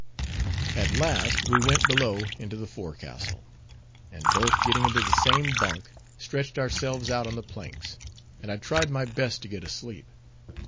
At last we went below into the forecastle, and both getting into the same bunk, stretched ourselves out on the planks, and I tried my best to get asleep.